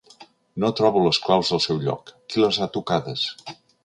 No trobo les claus al seu lloc: qui les ha tocades?